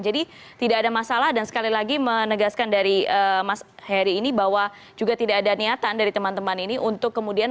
jadi tidak ada masalah dan sekali lagi menegaskan dari mas harry ini bahwa juga tidak ada niatan dari teman teman ini untuk kemudian